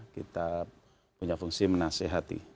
kita punya fungsi menasehati